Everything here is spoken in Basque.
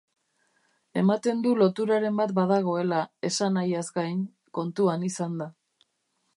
Ematen du loturaren bat badagoela, esanahiaz gain, kontuan izanda.